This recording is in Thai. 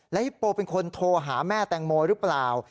ฮิปโปเป็นคนโทรหาแม่แตงโมหรือเปล่า